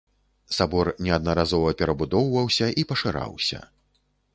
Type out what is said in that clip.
Сабор неаднаразова перабудоўваўся і пашыраўся.